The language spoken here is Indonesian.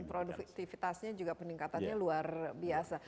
dan produktivitasnya juga peningkatannya luar biasa